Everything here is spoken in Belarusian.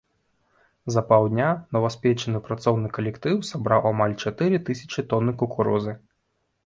За паўдня новаспечаны працоўны калектыў сабраў амаль чатыры тысячы тоны кукурузы.